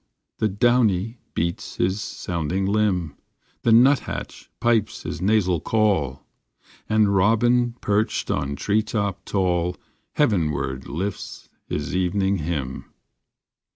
The Downy beats his sounding limb, The nuthatch pipes his nasal call, And robin perched on treetop tall Heavenward lifts his evening hymn.